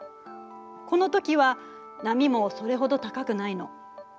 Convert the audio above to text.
この時は波もそれほど高くないの。